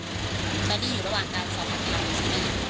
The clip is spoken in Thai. และนี่อยู่ระหว่างการสอบทางเนียน